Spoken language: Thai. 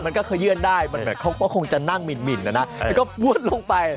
มันก็เคยื่นได้เขาคงจะนั่งหมิ่นแล้วก็บวชลงไป